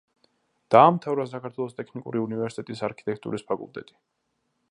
დაამთავრა საქართველოს ტექნიკური უნივერსიტეტის არქიტექტურის ფაკულტეტი.